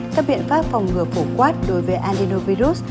các biện pháp phòng ngừa phổ quát đối với adenovirus